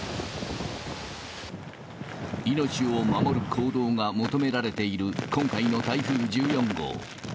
命を守る行動が求められている今回の台風１４号。